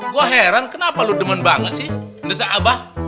gua heran kenapa lu demen banget sih ngesek abah